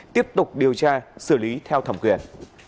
tiếp tục điều tra xử lý theo thẩm quyền